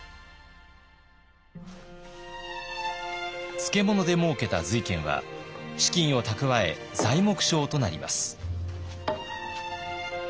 漬物でもうけた瑞賢は資金を蓄え材木商となります。